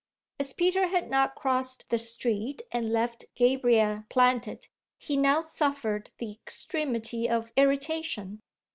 As Peter had not crossed the street and left Gabriel planted he now suffered the extremity of irritation.